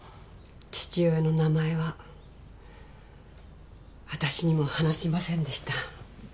父親の名前は私にも話しませんでした。